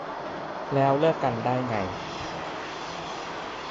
แล้วเลิกกันได้ไง